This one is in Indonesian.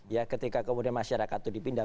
ya ketika kemudian masyarakat itu dipindah